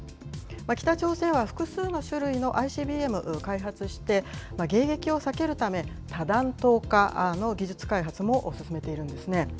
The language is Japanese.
北朝鮮は複数の種類のＩＣＢＭを開発して、迎撃を避けるため、多弾頭化の技術開発も進めているんですね。